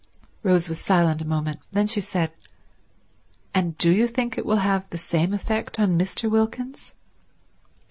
Rose was silent a moment. Then she said, "And do you think it will have the same effect on Mr. Wilkins?"